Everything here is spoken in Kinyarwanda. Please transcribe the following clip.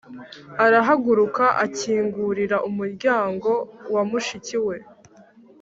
arahaguruka , akingurira umuryango wa mushiki we